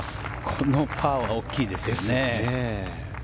このパーは大きいですね。